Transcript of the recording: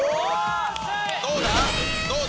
どうだ？